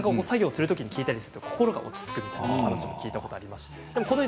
作業をするときに聴いたりすると心が落ち着くという話を聞いたことあります。